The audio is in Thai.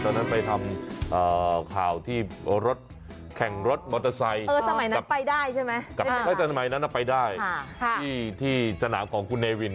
ตอนนั้นไปทำข่าวที่รถแข่งรถมอเตอร์ไซส์เกอร์สมัยนั้นไปได้ใช่ไหม